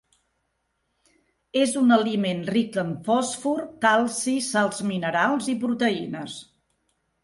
És un aliment ric en fòsfor, calci, sals minerals i proteïnes.